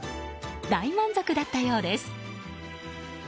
大満足だったようです。